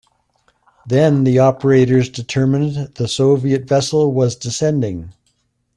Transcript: Then the operators determined the Soviet vessel was descending.